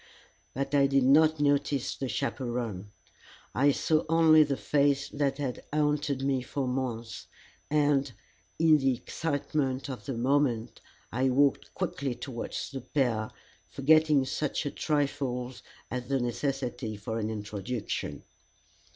But I did not notice the chaperon. I saw only the face that had haunted me for months, and in the excitement of the moment I walked quickly towards the pair, forgetting such a trifle as the necessity for an introduction.